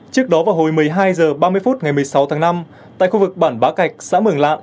trước đó vào hồi một mươi hai h ba mươi phút ngày một mươi sáu tháng năm tại khu vực bản bá cạch xã mường lạng